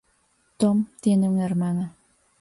Tom tiene una hermana.